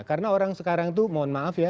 karena orang sekarang itu mohon maaf ya